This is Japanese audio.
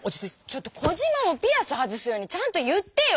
ちょっとコジマもピアス外すようにちゃんと言ってよ！